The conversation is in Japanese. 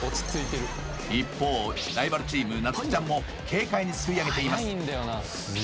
一方ライバルチーム夏生ちゃんも軽快にすくいあげています